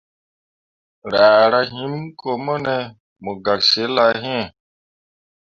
Raara him ko mone mu gak zilah iŋ.